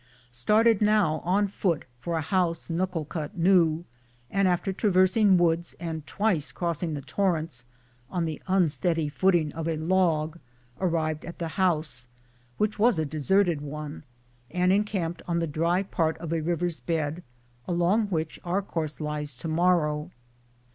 Started now on foot for a house Nuckalkut knew, and after traversing woods and twice crossing the torrents "on the unsteadfast footing" of a log, arrived at the house, which was a deserted one, and encamped on the dry part of river's bed, along which our course lies to morrow.